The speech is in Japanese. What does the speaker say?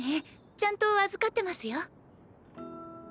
ちゃんと預かってますよ。